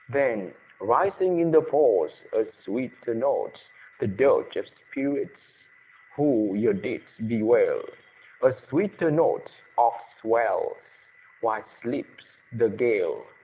Then, rising in the pause, a sweeter note, The dirge of spirits, who your deeds bewail, A sweeter note oft swells while sleeps the gale!